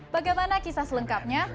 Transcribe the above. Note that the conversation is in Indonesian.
bagaimana kisah selengkapnya